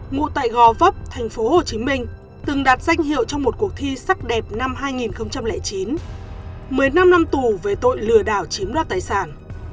ngụ tại gò vấp tp hcm từng đạt danh hiệu trong một cuộc thi sắc đẹp năm hai nghìn chín một mươi năm năm tù về tội lừa đảo chiếm đoạt tài sản